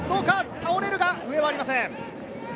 倒れるが、笛はありません。